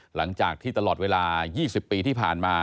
หลังจากที่ตลอดเวลา๒๐ปีที่ผ่านมา